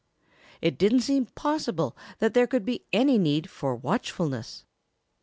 It didn't seem possible that there could be any need for watchfulness.